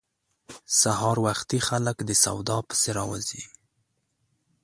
سهار وختي خلک د سودا پسې راوزي.